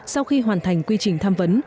sau khi hoàn thành quy trình tham vấn